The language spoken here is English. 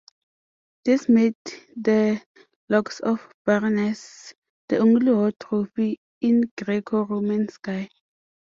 This made the locks of Berenice the only war trophy in Greco-Roman sky.